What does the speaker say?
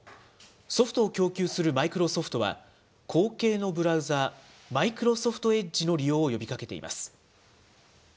ソフトを供給するマイクロソフトは、後継のブラウザー、マイクロソフトエッジの利用を呼びかけています。